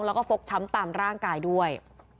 แล้วก็ฟกช้ำตามร่างกายด้วย